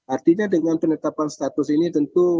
artinya dengan penetapan status ini tentu